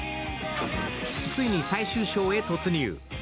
ついに最終章へ突入。